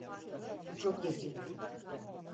Bu çok gizli.